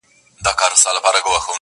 چي د چا پر سر كښېني دوى يې پاچا كي،